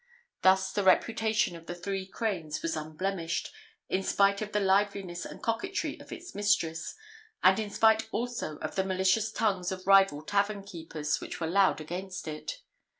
Thus the reputation of the Three Cranes was unblemished, in spite of the liveliness and coquetry of its mistress; and in spite, also, of the malicious tongues of rival tavern keepers, which were loud against it.